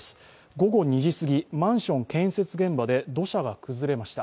午後２時すぎ、マンション建設現場で土砂が崩れました。